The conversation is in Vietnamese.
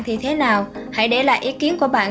thì thế nào hãy để lại ý kiến của bạn